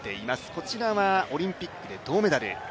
こちらはオリンピックで銅メダル。